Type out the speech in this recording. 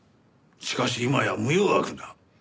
しかし今や無用悪だ。